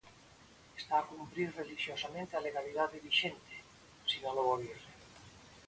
Está a cumprir relixiosamente a legalidade vixente, sinalou Aguirre.